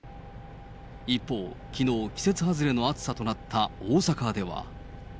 一方、きのう、季節外れの暑さとなった大阪では。